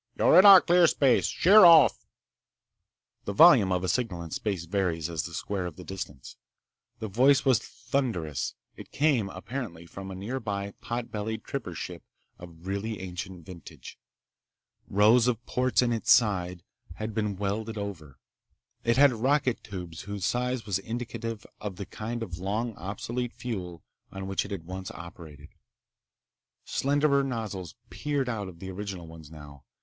"You're in our clear space! Sheer off!" The volume of a signal in space varies as the square of the distance. This voice was thunderous. It came apparently from a nearby, pot bellied tripper ship of really ancient vintage. Rows of ports in its sides had been welded over. It had rocket tubes whose size was indicative of the kind of long obsolete fuel on which it once had operated. Slenderer nozzles peered out of the original ones now.